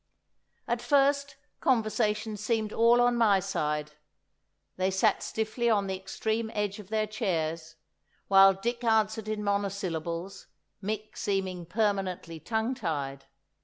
At first, conversation seemed all on my side: they sat stiffly on the extreme edge of their chairs, while Dick answered in monosyllables, Mick seeming permanently tongue tied!